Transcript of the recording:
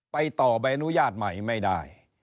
ต่อใบอนุญาตใหม่ไม่ได้